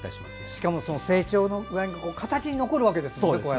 しかも、その成長が形に残るわけですね。